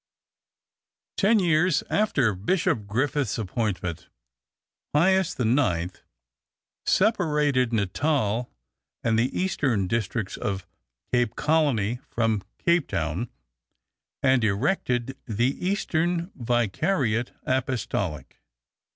Ten years after Bishop Griffith's appointment, Pius IX. separated Natal and the eastern districts of Cape Colony from Cape Town, and erected the Eastern Vicariate Apostolic.